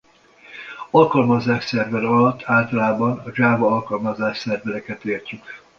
Alkalmazásszerver alatt általában a Java alkalmazásszervereket értjük.